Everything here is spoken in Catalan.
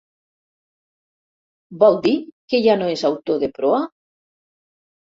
Vol dir que ja no es autor de Proa?